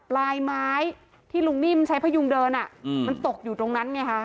ปลายไม้ที่ลุงนิ่มใช้พยุงเดินมันตกอยู่ตรงนั้นไงคะ